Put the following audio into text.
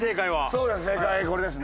そうです。